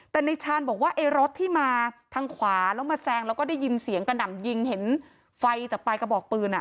แต่ในชาญบอกว่าไอ้รถที่มาทางขวาแล้วมาแซงแล้วก็ได้ยินเสียงกระหน่ำยิงเห็นไฟจากปลายกระบอกปืน